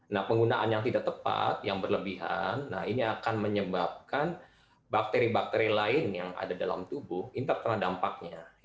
nah penggunaan yang tidak tepat yang berlebihan nah ini akan menyebabkan bakteri bakteri lain yang ada dalam tubuh ini terkena dampaknya